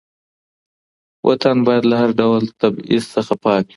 وطن باید له هر ډول تبعیض څخه پاک وي.